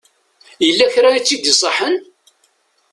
Yella kra i tt-id-iṣaḥen?